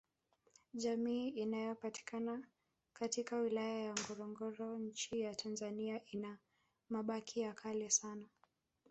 Jamii inayopatikana katika wilaya ya Ngorongoro Nchi ya tanzania ina mabaki ya kale sana